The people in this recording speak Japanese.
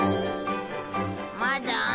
まだ？